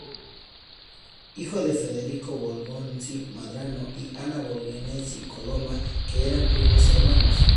Hijo de Federico Bolognesi Medrano y Ana Bolognesi Coloma, que eran primos-hermanos.